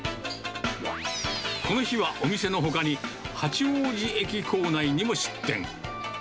この日は、お店のほかに、八王子駅構内にも出店。